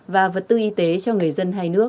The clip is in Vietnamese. và vật tư y tế cho người dân hai nước